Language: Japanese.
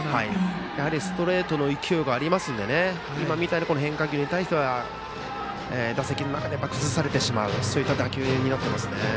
やはりストレートの勢いがありますので今みたいに変化球に対しては打席の中で崩されてしまう打球になりますよね。